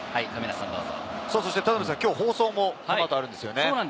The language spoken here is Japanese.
きょう、放送もこの後、あるんですよね？